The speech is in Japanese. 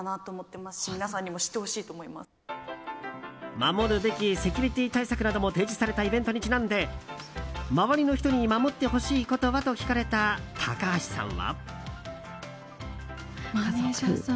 守るべきセキュリティー対策なども提示されたイベントにちなんで周りの人に守ってほしいことは？と聞かれた高橋さんは。